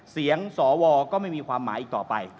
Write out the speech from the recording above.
เสียงสวก็ไม่มีความหมายอีกต่อไป